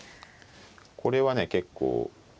これはね結構。